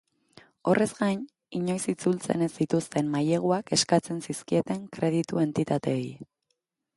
Horrez gain, inoiz itzultzen ez zituzten maileguak eskatzen zizkieten kreditu entitateei.